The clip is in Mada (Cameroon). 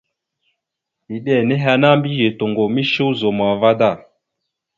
Eɗe nehe ana mbiyez toŋgov mishe ozum ava gaŋa da.